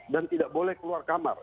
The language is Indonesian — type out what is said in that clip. dan tidak boleh keluar kamar